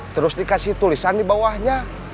terus dikasih tulisan di bawahnya